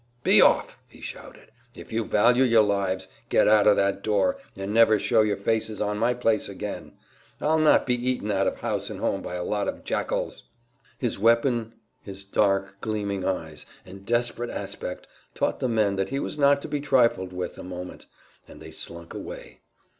"Be off!" he shouted. "If you value your lives, get out of that door, and never show your faces on my place again. I'll not be eaten out of house and home by a lot of jackals!" His weapon, his dark, gleaming eyes, and desperate aspect taught the men that he was not to be trifled with a moment, and they slunk away.